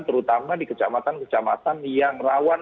terutama di kecamatan kecamatan yang rawan